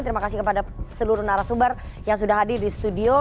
terima kasih kepada seluruh narasumber yang sudah hadir di studio